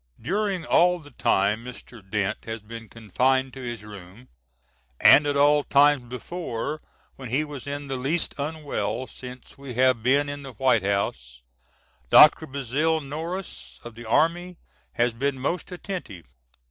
During all the time Mr. Dent has been confined to his room, and at all times before when he was in the least unwell since we have been in the White House Dr. Bazil Norris of the army has been most attentive.